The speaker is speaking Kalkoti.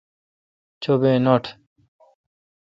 چو بی نوٹ۔